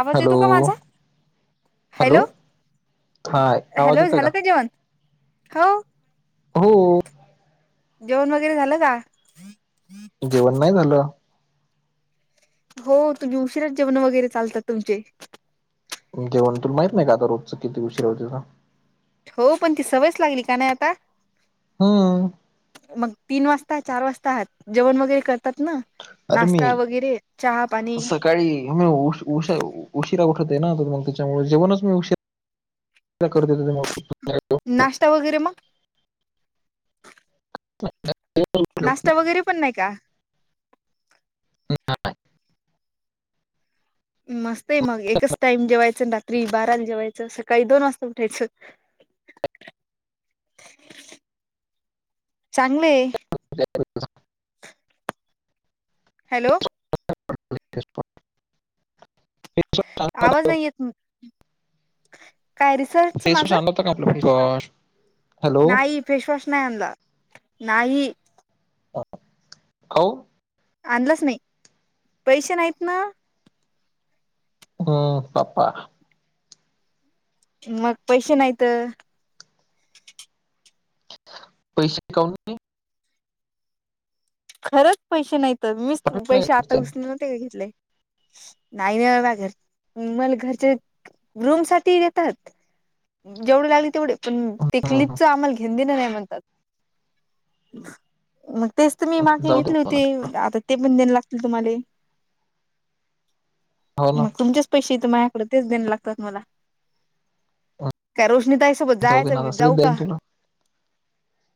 आवाज हॅलो येतो का माझा? हॅलो, हा आवाज हॅलो येतोय झालं का जेवण? हो. हो. जेवण वगैरे झालं का? जेवण नाही झालं. हो, तुम्ही उशिराच, जेवणं वगैरे चालतात तुमचे. जेवण, तुला माहित नाही का आता, रोजच किती उशीर होतो तो. हो पण ती सवयच लागली का नाही आता, हम्म मग तीन वाज आता चार वाजतात, जेवण वगैरे करतात ना, अरे मी नाश्ता वगैरे चहा पाणी. सकाळी मी उश उश उशिरा उठते ना, तर मग तेच्यामुळे जेवणच मी उशीरा. [unintelligible] नाश्ता वगैरे मग? नाश्ता वगैरे पण नाही का? मस्त आहे मग एकच टाईम जेवायचं रात्री बाराला जेवायचं आणि सकाळी दोन वाजता उठायचं. चांगले [inaudible] हॅलो. [unintelligible] आवाज नाही येत तुम [inaudible] काय रिसर्चच माझं का आपलं [unintelligible] नाही फेसवॉश नाय आणला नाही. [unintelligible] खाऊ आणलाच नाही पैसे नाहीत ना. हम्म पपा मग पैसे नाही त. पैसे काऊणी [unintelligible] खरंच पैसे नाही तर मीच पाठवले नाही पैसे आता घरच्यांनी उसने ना ते घेतले. नाही नाही बा लागत मला घरच्या रूम साठी देतात. जेवढ लागली तेवढे पण हम्म तेकलीचा आमल घेन दिन नाही म्हणतात मग तेच त मी हम्म मागे जाऊ दे घेतले होते आता ते पण देण लागतील तुम्हाले. हो ना मग तुमच्या [unintelligible] पैसे माझ्याकडे तेच देन लागतात मला काय रोशनी ताई च नाईल तुला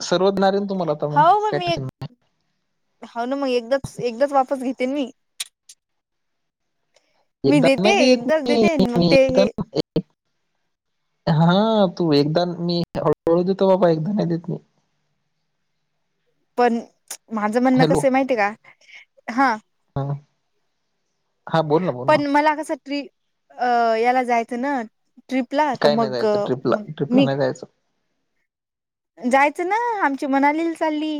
सर्वच जाे तुम्हाला आता मग काय टेशन [unintelligible] हाव ना मग एकदाच एकदाच वाचत घेतेन मी. मी एकदा देते नाही देत एकदाच मी देते मग मी ते एकदा हे हा तू एकदा मी हळूहळू देतो बाबा एकदा नाही देत मी. पण माझं म्हणणं हॅलो कस माहिती आहे का हा. हा हा, बोल ना बोल ना पण मला कसं ट्री अ याला जायचं ना ट्रिपला तर काय नाही मग जायचं ट्रिपला म ट्रिपला मी नाही जायचं जायचं ना आमची मनालीला चालली.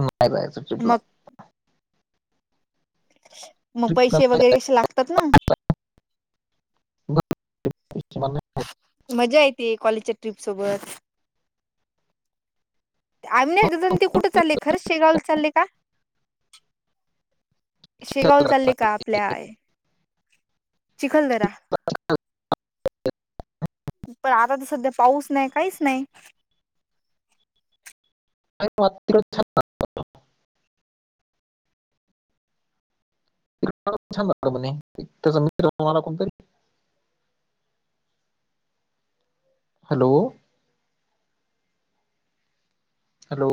माय ट्रिपला मग [unintelligible] मग ट्रिपला पैसे नाही वगैरे कसे लागतात ना. जायचं. घरचे म्हणले, मज्जा येते कॉलेजच्या ट्रिप सोबत. आम्ही ना "हो, जण ते कुठे चालले खरंच शेगावला चाललेय का? तिकडे शिगावल जायचं." चालले का आपल्याय चिखल दरा. पण आता तर सध्या पाऊस नाही काहीच नाही. अय अतुथ [unintelligible] छान म्हणे त्याचा मित्र तम्हाला कोणतरी [unintelligible] हॅलो! हॅलो.